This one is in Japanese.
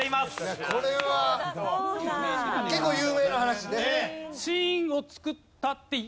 これは結構有名な話ね。